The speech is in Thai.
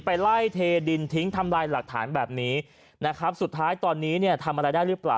ไปไล่เทดินทิ้งทำลายหลักฐานแบบนี้นะครับสุดท้ายตอนนี้เนี่ยทำอะไรได้หรือเปล่า